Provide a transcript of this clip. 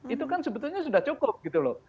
itu kan sebetulnya sudah cukup gitu loh